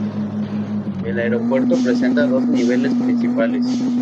El aeropuerto presenta dos niveles principales.